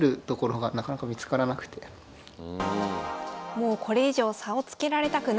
もうこれ以上差をつけられたくない。